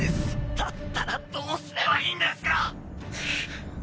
だったらどうすればいいんですか